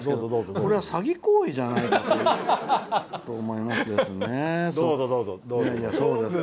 これは詐欺行為じゃない？と思いますですね。